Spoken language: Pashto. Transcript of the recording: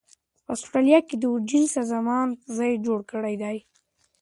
په اسټرالیا کې د اوریجن سازمان ځای جوړ کړی دی.